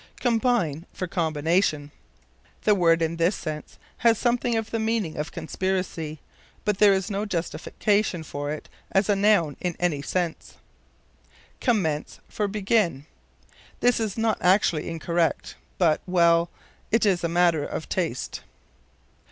Combine for Combination. The word, in this sense, has something of the meaning of conspiracy, but there is no justification for it as a noun, in any sense. Commence for Begin. This is not actually incorrect, but well, it is a matter of taste.